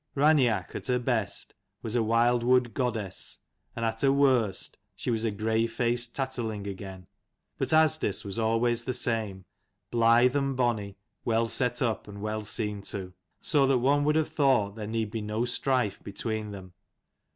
Raineach at her best was a wild wood goddess, and at her worst she was a grey faced tatterling again : but Asdis was always the same, blithe and bonny, well set up and well seen to. So that one would have thought there need be no strife between them.